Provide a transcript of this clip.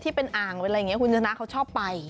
ที่เป็นอ่างหรืออะไรอย่างนี้คุณธนาเขาชอบไป